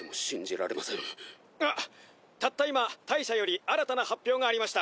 ピロンピロンあったった今大社より新たな発表がありました。